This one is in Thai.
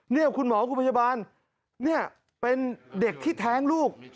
นี่คุณหมอคุณพยาบาลเนี่ยเป็นเด็กที่แท้งลูก